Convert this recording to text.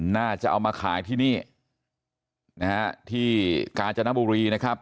น่าจะเอามาขายที่นี่นะฮะที่กาญจนบุรีนะครับ